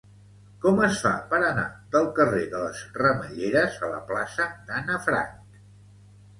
Com es fa per anar del carrer de les Ramelleres a la plaça d'Anna Frank?